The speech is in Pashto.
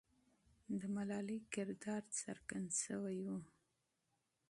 د ملالۍ کردار څرګند سوی وو.